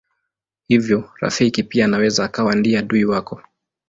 Hivyo rafiki pia anaweza akawa ndiye adui wako.